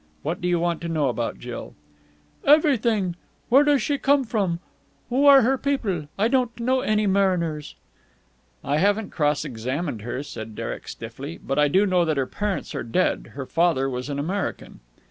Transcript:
What do you want to know about Jill?" "Everything. Where does she come from? Who are her people? I don't know any Mariners." "I haven't cross examined her," said Derek stiffly. "But I do know that her parents are dead. Her father was an American."